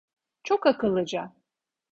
Çok akıllıca.